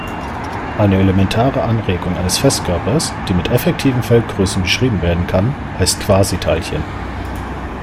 Eine elementare Anregung eines Festkörpers, die mit effektiven Feldgrößen beschrieben werden kann, heißt Quasiteilchen.